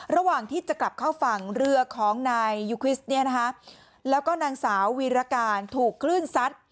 ระหว่างที่จะกลับเข้าฟังเรือของนายยุควิสแล้วก็นางสาววิราการถูกคลื่นซัด